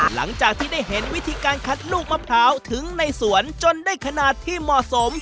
หลังจากที่ได้เห็นวิธีการคัดลูกมะพร้าวถึงในสวนจนได้ขนาดที่เหมาะสม